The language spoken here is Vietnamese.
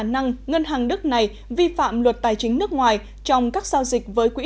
bank về khả năng ngân hàng đức này vi phạm luật tài chính nước ngoài trong các giao dịch với quỹ